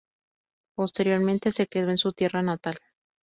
Posteriormente se quedó en su tierra natal.